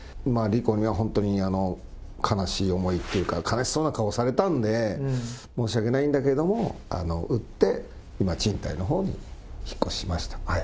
理子には本当に、悲しい思いというか、悲しそうな顔をされたので、申し訳ないんだけれども、売って、今賃貸のほうに引っ越しました。